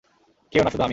কেউ না, শুধু আমি!